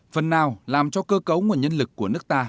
phần nào làm cho cơ cấu nguồn nhân lực của nước ta